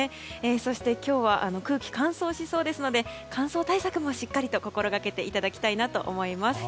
そして、今日は空気乾燥しそうですので乾燥対策もしっかり心がけていただきたいなと思います。